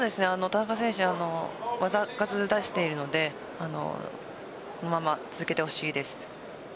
田中選手は技数を出しているのでこのまま続けてほしいです。